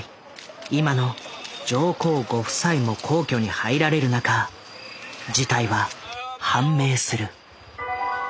今の上皇ご夫妻も皇居に入られる中事態は判明する。